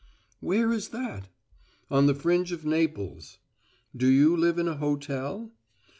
"Where is that?" "On the fringe of Naples." "Do you live in a hotel?"